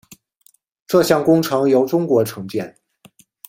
这项工程由中国承建。